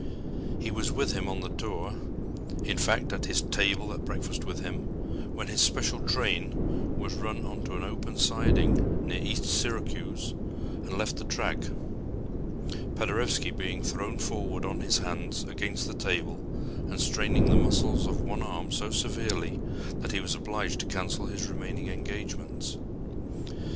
He was with him on the tour, in fact at his table at breakfast with him, when his special train was run on to an open siding near East Syracuse and left the track, Paderewski being thrown forward on his hands against the table and straining the muscles of one arm so severely that he was obliged to cancel his remaining engagements.